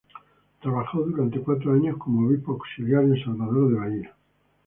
Trabajó durante cuatro años como obispo auxiliar en Salvador de Bahía.